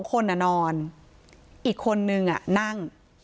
คนนอนอีกคนนึงนั่ง